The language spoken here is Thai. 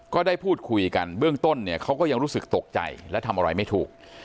ก็ได้พูดคุยกันเบื้องต้นเนี่ยเขาก็ยังรู้สึกตกใจและทำอะไรไม่ถูก